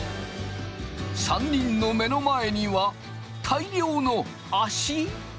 ３人の目の前には大量の足！？